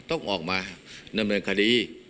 ต้องออกมาดำเนินคดี